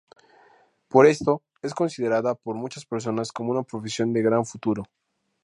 Por esto, es considerada por muchas personas como una profesión de gran futuro.